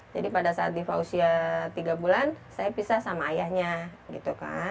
jadi pada saat diva usia tiga bulan saya pisah sama ayahnya gitu kan